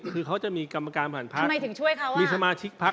คือเขาจะมีกรรมการผ่านพักทำไมถึงช่วยเขามีสมาชิกพัก